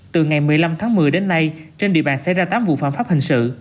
từ ngày một mươi năm tháng một mươi đến nay trên địa bàn xảy ra tám vụ phạm pháp hình sự